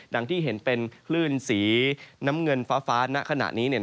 ที่เห็นเป็นคลื่นสีน้ำเงินฟ้าณขณะนี้